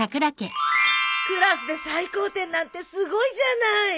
クラスで最高点なんてすごいじゃない！